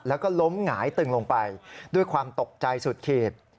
แล้วก็ล้มหงายตึงลงไปด้วยความตกใจสุดขีด